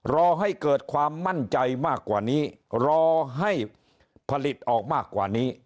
รอให้เกิดความมั่นใจมากกว่านี้รอให้ผลิตออกมากว่านี้